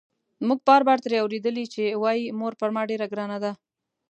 موږ بار بار ترې اورېدلي چې وايي مور پر ما ډېره ګرانه ده.